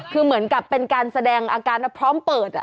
คือเหมือนกับเป็นการแสดงอาการพร้อมเปิด